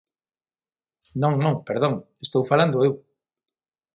Non, non, perdón, estou falando eu.